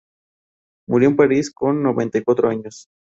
Murió en París con noventa y cuatro años.